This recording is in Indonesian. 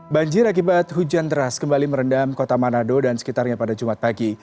banjir akibat hujan deras kembali merendam kota manado dan sekitarnya pada jumat pagi